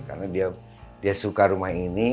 karena dia suka rumah ini